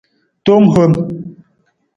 Tong hom.